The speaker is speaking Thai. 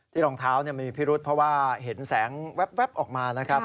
รองเท้ามีพิรุษเพราะว่าเห็นแสงแว๊บออกมานะครับ